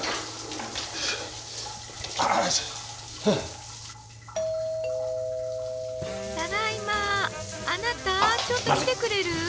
あなたちょっと来てくれる？